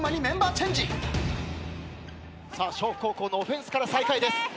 北高校のオフェンスから再開です。